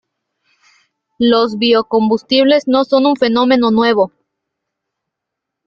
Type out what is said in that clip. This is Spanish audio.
Los biocombustibles no son un fenómeno nuevo.